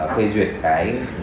phê duyệt cái